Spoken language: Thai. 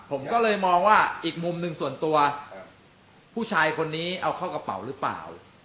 ผมก็เลยมองว่าอีกมุมหนึ่งส่วนตัวผู้ชายคนนี้เอาเข้ากระเป๋าหรือเปล่า